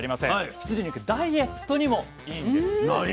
羊肉ダイエットにもイイんです。